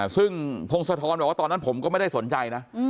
ซึ่งพงศธรบอกว่าตอนนั้นผมก็ไม่ได้สนใจนะ